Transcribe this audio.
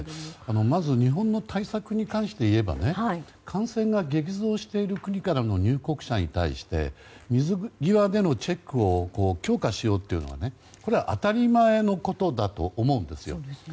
まず日本の対策に関していえば感染が激増している国からの入国者に対して水際でのチェックを強化しようというのはこれは当たり前のことだと思うんですよ。